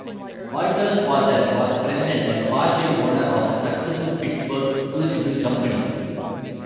Walter's father was President and partial owner of a successful Pittsburgh crucible company.